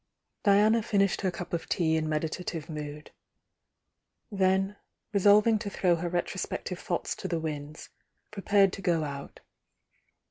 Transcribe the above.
Diana fin ished her cup of tea in meditative mood,— then, rwolving to throw her retrospective thoughts to the winds, prepared to go out.